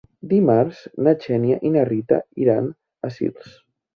Dimarts na Xènia i na Rita iran a Sils.